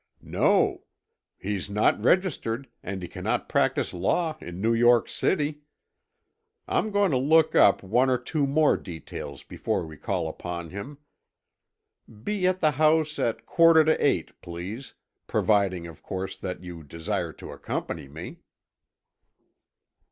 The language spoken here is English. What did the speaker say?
"No. He's not registered, and he cannot practise law in New York City! I'm going to look up one or two more details before we call upon him. Be at the house at quarter to eight, please, providing, of course, that you desire to accompany me."